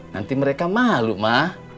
nanti mereka malu ma